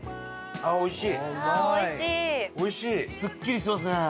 ああおいしい！